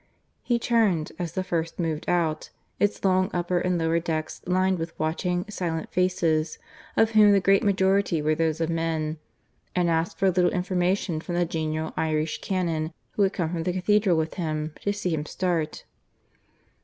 He turned, as the first moved out, its long upper and lower decks lined with watching, silent faces of whom the great majority were those of men and asked for a little information from the genial Irish canon who had come from the cathedral with him, to see him start.